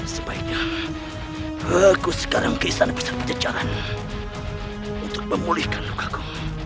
sebaiknya aku sekarang ke sana besar pejajaran untuk memulihkan lukaku